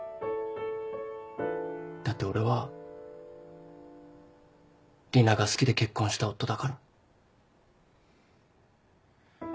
だって俺は里奈が好きで結婚した夫だから。